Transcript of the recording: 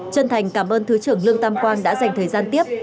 chân thành cảm ơn thứ trưởng lương tam quang đã dành thời gian tiếp